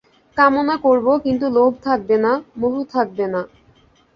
কামনা করব, কিন্তু লোভ থাকবে না, মোহ থাকবে না।